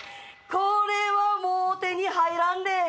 これはもう手に入らんで。